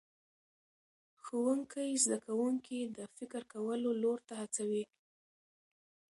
ښوونکی زده کوونکي د فکر کولو لور ته هڅوي